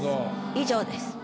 以上です。